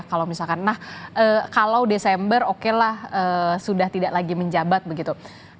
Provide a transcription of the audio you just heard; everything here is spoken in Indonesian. kalau misalkan nah kalau desember oke lah sudah tidak lagi menjabat begitu